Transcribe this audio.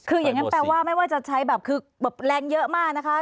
คืออย่างนั้นแปลว่าไม่ว่าจะใช้แบบคือแบบแรงเยอะมากนะคะ